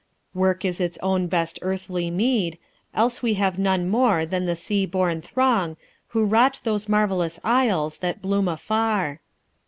"Work is its own best earthly meed, Else have we none more than the sea born throng Who wrought those marvellous isles that bloom afar."